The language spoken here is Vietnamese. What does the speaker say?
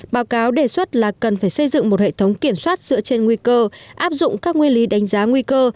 báo cáo đề xuất là cần phải xây dựng một hệ thống kiểm soát dựa trên nguy cơ áp dụng các nguyên lý đánh giá nguy cơ